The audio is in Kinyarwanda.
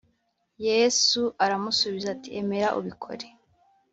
Yesu aramusubiza ati “Emera ubikore